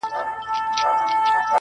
فکر بايد بدل سي ژر-